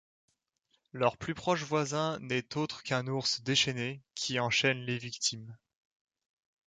Leur plus proche voisin n'est autre qu'un ours déchaîné, qui enchaîne les victimes...